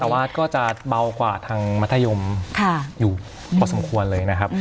แต่ว่าก็จะเบากว่าทางมัธยมอยู่พอสมควรเลยนะครับ